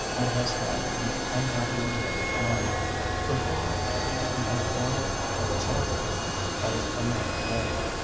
He has had an unhappy married life. From forty to fifty he has borne it philosophically as a man may.